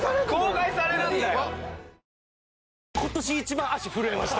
公開されるんだよ。